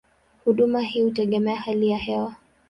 Huduma hii hutegemea hali ya hewa.